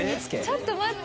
ちょっと待って。